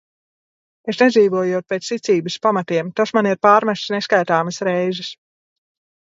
Es nedzīvojot pēc ticības pamatiem, tas man ir pārmests neskaitāmas reizes.